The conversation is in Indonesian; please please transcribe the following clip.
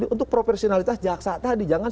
untuk profesionalitas jaksa tadi jangan